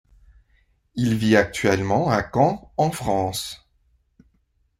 Il vit actuellement à Caen, en France.